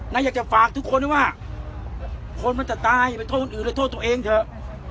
อยากจะฝากทุกคนด้วยว่าคนมันจะตายอย่าไปโทษคนอื่นเลยโทษตัวเองเถอะ